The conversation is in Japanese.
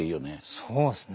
そうっすね。